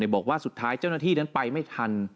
บอกว่าสุดท้ายเจ้าหน้าที่นั้นไปไม่ทัน